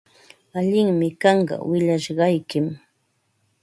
Allinmi kanqa willashqaykim.